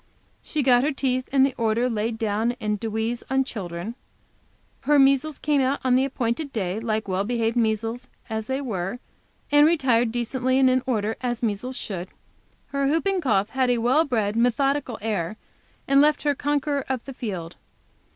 She got her teeth in the order laid down in "Dewees on Children"; her measles came out on the appointed day like well behaved measles as they were and retired decently and in order, as measles should. Her whooping cough had a well bred, methodical air, and left her conqueror of the field.